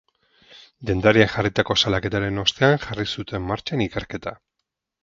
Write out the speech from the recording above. Dendariak jarritako salaketaren ostean jarri zuten martxan ikerketa.